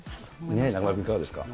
中丸君、いかがですか。